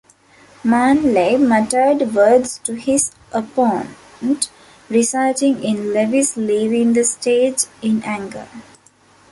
Manley muttered words to his opponent, resulting in Lewis leaving the stage in anger.